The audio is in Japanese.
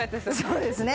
そうですね。